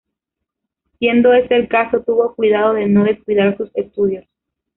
Siendo ese el caso, tuvo cuidado de no descuidar sus estudios.